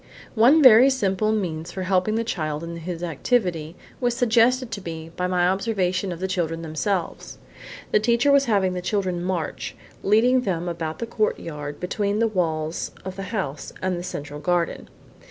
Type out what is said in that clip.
One very simple means for helping the child in his activity was suggested to me by my observation of the children themselves. The teacher was having the children march, leading them about the courtyard between the walls of the house and the central garden.